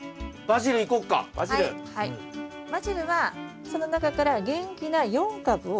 バジルはその中から元気なうわ。